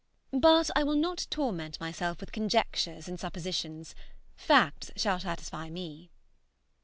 But I will not torment myself with conjectures and suppositions; facts shall satisfy me.